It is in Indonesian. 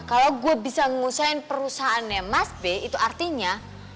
kalau gue bisa ngusain perusahaannya mas b itu artinya